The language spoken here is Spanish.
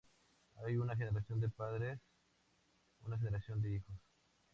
Hay una generación de padres y una generación de hijos.